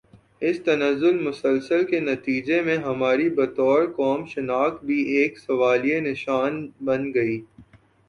اس تنزل مسلسل کے نتیجے میں ہماری بطور قوم شناخت بھی ایک سوالیہ نشان بن گئی